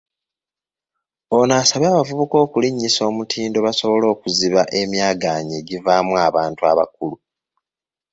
Ono asabye abavubuka okulinnyisa omutindo basobole okuziba emyaganya egivaamu abantu abakulu.